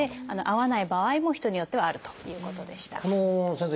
先生。